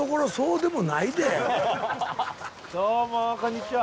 どうもこんにちは。